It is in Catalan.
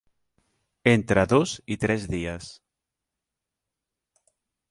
Entre dos i tres dies.